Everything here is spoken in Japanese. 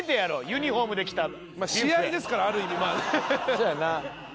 そやな。